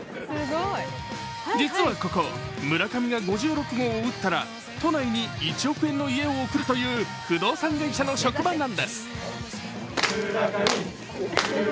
実はここ、村上が５６号を打ったら都内に１億円の家を贈るという不動産会社の職場なんです。